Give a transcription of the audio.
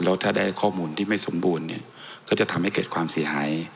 แล้วถ้าได้ข้อมูลที่ไม่สมบูรณ์เนี่ยก็จะทำให้เกิดความเสียหาย